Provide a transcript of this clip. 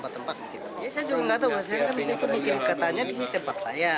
saya juga nggak tahu saya kan mungkin katanya di tempat saya